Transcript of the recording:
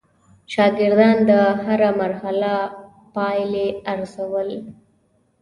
شاګردان د هره مرحله پایلې ارزول.